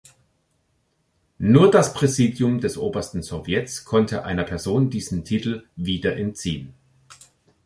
Nur das Präsidium des Obersten Sowjets konnte einer Person diesen Titel wieder entziehen.